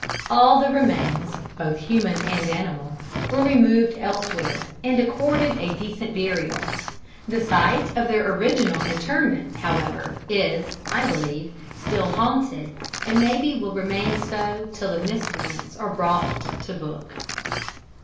All the remains, both human and animal, were removed elsewhere, and accorded a decent burial. The site of their original interment, however, is, I believe, still haunted, and maybe will remain so till the miscreants are brought to book."